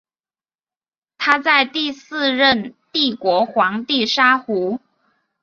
他在第四任帝国皇帝沙胡。